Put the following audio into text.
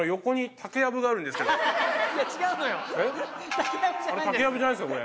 竹やぶじゃないんですかこれ。